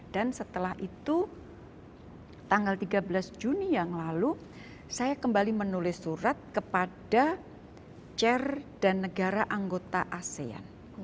dan setelah itu tanggal tiga belas juni yang lalu saya kembali menulis surat kepada chair dan negara anggota asean